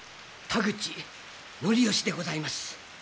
田口教能でございます。